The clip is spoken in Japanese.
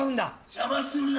邪魔するな！